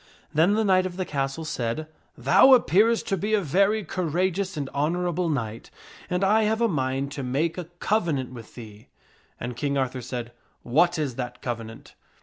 Then the knight of the castle said, " Thou appearest to be a very cour ageous and honorable knight, and I have a mind to make a covenant with thee." And King Arthur said, " What is that covenant